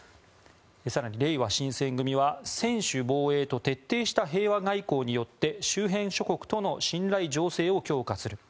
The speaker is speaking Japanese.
更にれいわ新選組は、専守防衛と徹底した平和外交によって周辺諸国との信頼醸成を強化する。